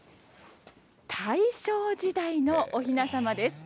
大正時代のおひなさまです。